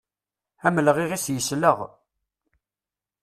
Amelɣiɣ-is yesleɣ.